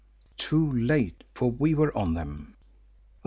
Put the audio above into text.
Too late! For we were on them.